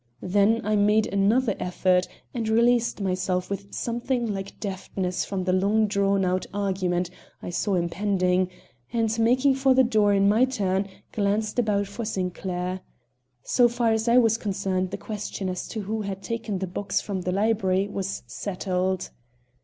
Then I made another effort and released myself with something like deftness from the long drawn out argument I saw impending, and, making for the door in my turn, glanced about for Sinclair. So far as I was concerned the question as to who had taken the box from the library was settled.